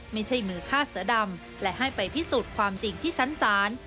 ไม่ใช่มือฆ่าเสือดำและให้ไปพิสูจน์ความจริงที่ชั้นศาล